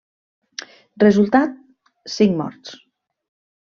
Resultat: cinc morts.